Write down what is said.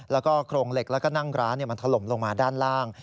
แล้วก็โครงเหล็กแล้วก็นั่งร้านมันถล่มลงมาด้านล่าง